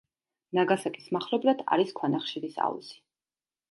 ნაგასაკის მახლობლად არის ქვანახშირის აუზი.